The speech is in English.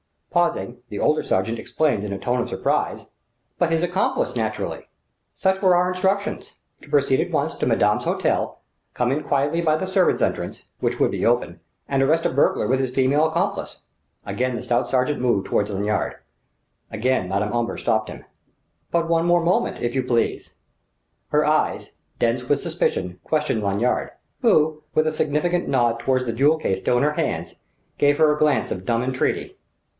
Pausing, the older sergent explained in a tone of surprise: "But his accomplice, naturally! Such were our instructions to proceed at once to madame's hôtel, come in quietly by the servants' entrance which would be open and arrest a burglar with his female accomplice." Again the stout sergent moved toward Lanyard; again Madame Omber stopped him. "But one moment more, if you please!" Her eyes, dense with suspicion, questioned Lanyard; who, with a significant nod toward the jewel case still in her hands, gave her a glance of dumb entreaty.